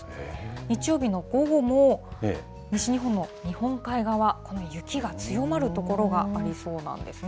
日曜日の午後も西日本の日本海側、このように雪が強まる所がありそうなんですね。